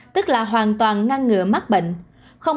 tức là hoàn toàn ngăn ngừa mắc bệnh